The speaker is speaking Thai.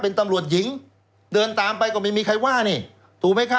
เป็นตำรวจหญิงเดินตามไปก็ไม่มีใครว่านี่ถูกไหมคะ